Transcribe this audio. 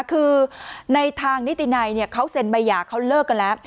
คือในทางนิตินัยเขาเซ็นใบหย่าเขาเลิกกันแล้ว